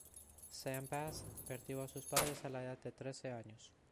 Sam Bass perdió a sus padres a la edad de trece años.